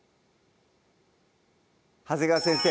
長谷川先生